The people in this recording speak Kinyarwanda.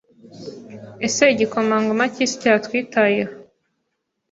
Ese igikomangoma cy'isi cyatwitayeho